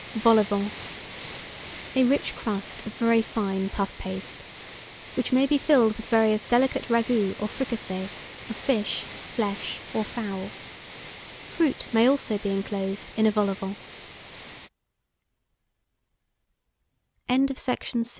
VOL AU VENT. A rich crust of very fine puff paste, which may be filled with various delicate ragouts or fricassees, of fish, flesh, or fowl. Fruit may also be inclosed in a vol au vent.